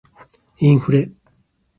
インフレ